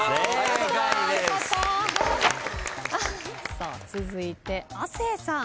さあ続いて亜生さん。